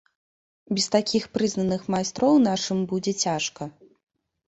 Без такіх прызнаных майстроў нашым будзе цяжка.